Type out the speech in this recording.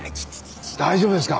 大丈夫ですか？